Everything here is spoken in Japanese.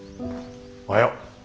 おはよう。